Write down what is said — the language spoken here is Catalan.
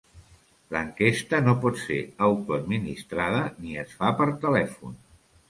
L'enquesta no pot ser autoadministrada ni es fa per telèfon.